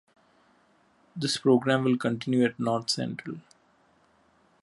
This program will continue at North Central.